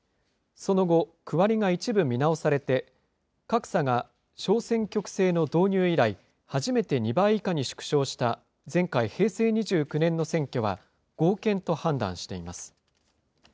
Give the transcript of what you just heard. その後、区割りが一部見直されて、格差が小選挙区制の導入以来、初めて２倍以下に縮小した前回・平成２９年の選挙は、合憲と判断しています。